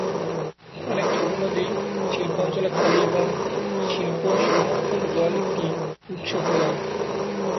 অনেক ছোট নদী শিল্প অঞ্চলে খালি, এবং শিল্প সমর্থন জল একটি উৎস প্রদান।